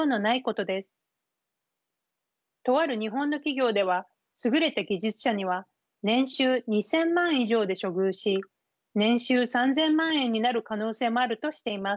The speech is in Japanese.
とある日本の企業では優れた技術者には年収２，０００万円以上で処遇し年収３，０００万円になる可能性もあるとしています。